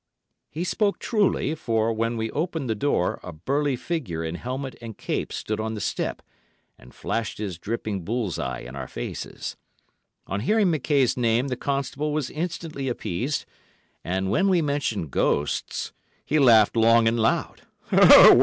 He spoke truly, for, when we opened the door, a burly figure in helmet and cape stood on the step and flashed his dripping bull's eye in our faces. On hearing McKaye's name the constable was instantly appeased, and, when we mentioned ghosts, he laughed long and loud.